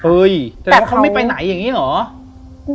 เฮ้ยแต่ว่าเขาไม่ไปไหนอย่างนี้หรอ